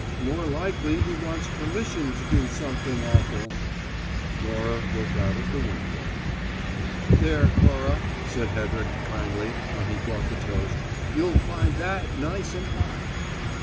"More likely he wants permission to do something awful." Laura looked out of the window. "There, Cora," said Hedrick kindly, when he brought the toast; "you'll find that nice and hot."